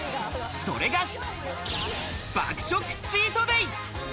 それが爆食チートデイ。